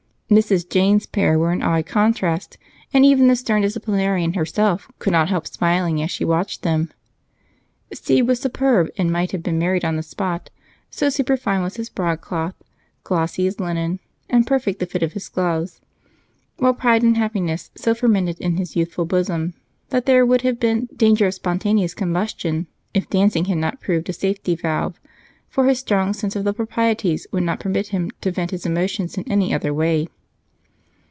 Mrs. Jane's pair were an odd contrast, and even the stern disciplinarian herself could not help smiling as she watched them. Steve was superb, and might have been married on the spot, so superfine was his broad cloth, glossy his linen, and perfect the fit of his gloves. While pride and happiness so fermented in his youthful bosom, there would have been danger of spontaneous combustion if dancing had not proved a safety valve, for his strong sense of the proprieties would not permit him to vent his emotions in any other way.